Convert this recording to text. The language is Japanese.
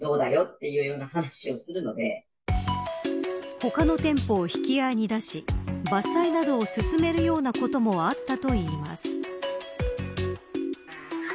他の店舗を引き合いに出し伐採などを勧めるようなこともあったといいます。